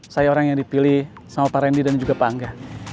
saya orang yang dipilih sama pak randy dan juga pak angga